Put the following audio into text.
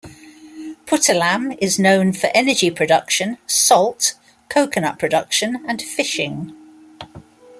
Puttalam is known for energy production, salt, coconut production and fishing.